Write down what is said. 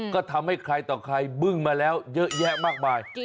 ก็ทำให้ใครต่อใครบึ้งมาแล้วเยอะแยะมากมาย